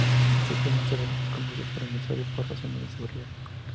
Este último será desconocido por el usuario por razones de seguridad.